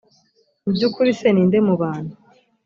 mu by ukuri se ni nde mubana